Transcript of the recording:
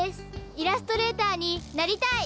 イラストレーターになりたい！